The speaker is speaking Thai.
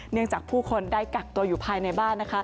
จากผู้คนได้กักตัวอยู่ภายในบ้าน